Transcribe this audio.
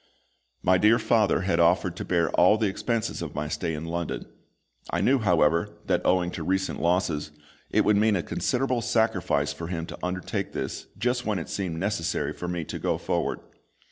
My dear father had offered to bear all the expense of my stay in London. I knew, however, that, owing to recent losses, it would mean a considerable sacrifice for him to undertake this just when it seemed necessary for me to go forward.